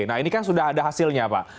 nah ini kan sudah ada hasilnya pak